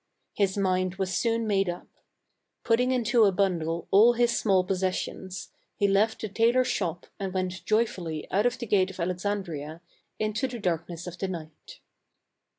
His mind was soon made up. Putting into a bundle all his small possessions, he left the tailor's shop and went joyfully out of the gate of Alexandria, into the darkness of the night.